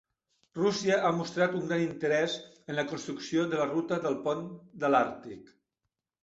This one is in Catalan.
Rússia ha mostrat un gran interès en la construcció de la ruta del pont de l'Àrtic.